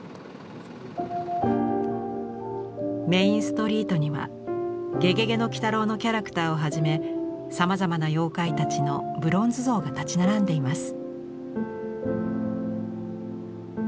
メインストリートには「ゲゲゲの鬼太郎」のキャラクターをはじめさまざまな妖怪たちのブロンズ像が立ち並んでいます。